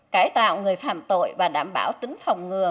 cải tạo người phạm tội và đảm bảo tính phòng ngừa